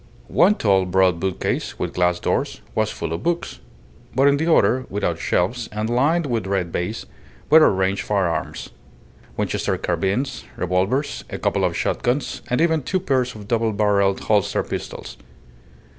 One tall, broad bookcase, with glass doors, was full of books; but in the other, without shelves, and lined with red baize, were arranged firearms: Winchester carbines, revolvers, a couple of shot guns, and even two pairs of double barrelled holster pistols.